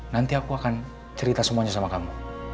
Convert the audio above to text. nanti aku akan cerita semuanya sama kamu